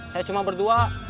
saya cuma berdua